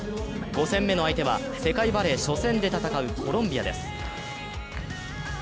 ５戦目の相手は、世界バレー初戦で戦うコロンビアです。